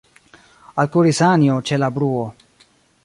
Alkuris Anjo ĉe la bruo.